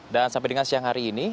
dan sampai dengan siang hari ini